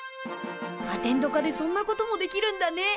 アテンド科でそんなこともできるんだね。